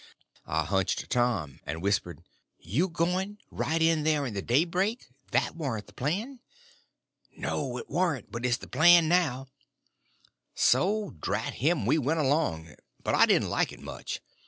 I hunched Tom, and whispers: "You going, right here in the daybreak? That warn't the plan." "No, it warn't; but it's the plan now." So, drat him, we went along, but I didn't like it much.